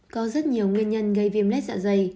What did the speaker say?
có rất nhiều nguyên nhân gây viêm lết dạ dày